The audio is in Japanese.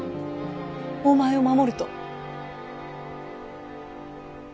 お前を守ると。